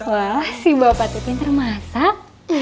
wah si bapak teh tuh yang termasak